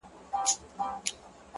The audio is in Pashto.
o جانه ته ځې يوه پردي وطن ته ـ